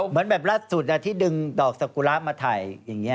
เหมือนแบบล่าสุดที่ดึงดอกสกุระมาถ่ายอย่างนี้